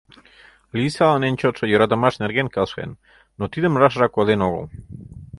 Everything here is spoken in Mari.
Лийсалан эн чотшо йӧратымаш нерген келшен, но тидым рашыжак ойлен огыл.